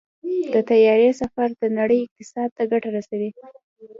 د طیارې سفر د نړۍ اقتصاد ته ګټه رسوي.